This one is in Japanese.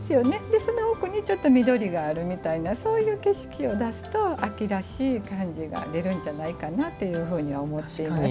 その奥に緑があるみたいなそういう景色を出すと秋らしい感じが出るんじゃないかなというふうには思っています。